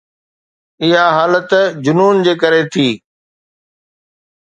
اها حالت جنون جي ڪري ٿي.